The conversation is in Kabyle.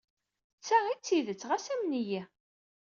D ta ay d tidet, ɣas amen-iyi!